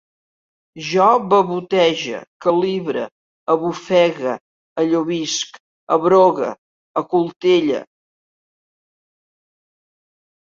Jo bevotege, calibre, abofegue, allobisc, abrogue, acoltelle